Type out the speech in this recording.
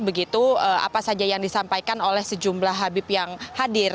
begitu apa saja yang disampaikan oleh sejumlah habib yang hadir